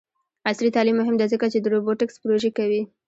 عصري تعلیم مهم دی ځکه چې د روبوټکس پروژې کوي.